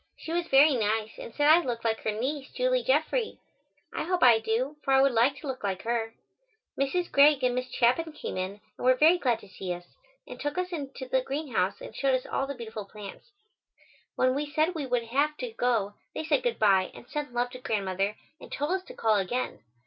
She was very nice and said I looked like her niece, Julie Jeffrey. I hope I do, for I would like to look like her. Mrs. Greig and Miss Chapin came in and were very glad to see us, and took us out into the greenhouse and showed us all the beautiful plants. When we said we would have to go they said goodbye and sent love to Grandmother and told us to call again.